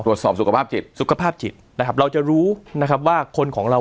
ตรวจสอบสุขภาพจิตสุขภาพจิตนะครับเราจะรู้นะครับว่าคนของเรา